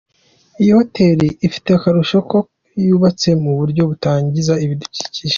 Iyi hoteli ifite akarusho ko yubatse mu buryo butangiza ibidukikije.